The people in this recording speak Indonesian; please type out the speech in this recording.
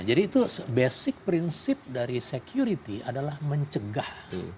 jadi itu basic prinsip dari security adalah mencegah